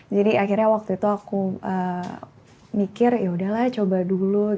jadi akhirnya waktu itu aku mikir ya udahlah coba dulu